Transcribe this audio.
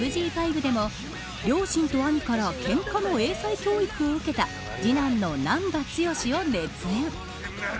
ＭＧ５でも両親と兄からけんかの英才教育を受けた次男の難波剛を熱演。